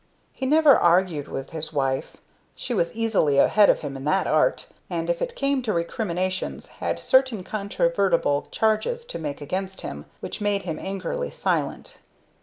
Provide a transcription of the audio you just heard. He never argued with his wife she was easily ahead of him in that art, and, if it came to recriminations, had certain controvertible charges to make against him, which mode him angrily silent.